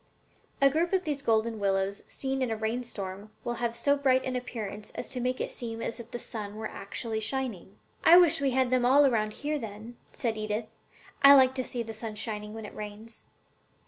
A group of these golden willows, seen in a rainstorm, will have so bright an appearance as to make it seem as if the sun were actually shining." [Illustration: THE WHITE WILLOW (Salix alba).] "I wish we had them all around here, then," said Edith; "I like to see the sun shining when it rains."